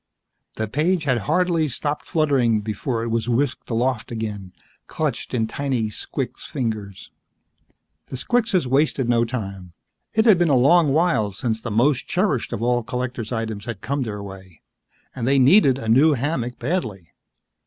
The page had hardly stopped fluttering before it was whisked aloft again, clenched in tiny squix fingers. The squixes wasted no time. It had been a long while since the most cherished of all collector's items had come their way and they needed a new hammock badly.